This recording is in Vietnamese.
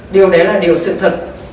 điều đấy là điều sự thật